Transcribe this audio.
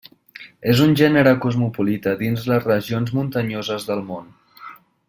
És un gènere cosmopolita dins les regions muntanyoses del món.